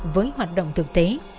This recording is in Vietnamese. với hoạt động thực tế